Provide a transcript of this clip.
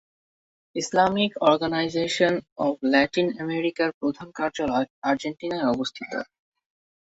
Islamic organization of Latin আমেরিকার প্রধান কার্যালয় আর্জেন্টিনায় অবস্থিত।